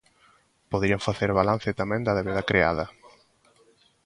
Poderían facer balance tamén da débeda creada.